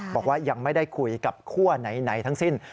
บอกว่ายังไม่ได้คุยกับคั่วไหนทั้งสิ้น